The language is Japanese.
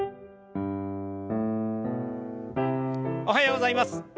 おはようございます。